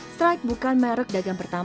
stripe bukan saja produk tapi juga produk